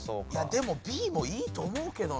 でもＢもいいと思うけどな。